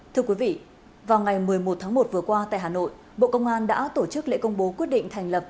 thưa quý vị vào ngày một mươi một tháng một vừa qua tại hà nội bộ công an đã tổ chức lễ công bố quyết định thành lập